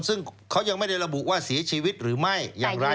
ซึ่งเขายังไม่ได้ระบุว่าเสียชีวิตหรือไม่อย่างไร